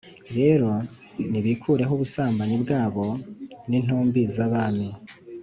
rero nibikureho ubusambanyi bwabo d n intumbi z abami